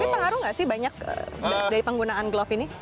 tapi pengaruh gak sih banyak dari penggunaan glove ini